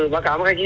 báo cáo một cái gì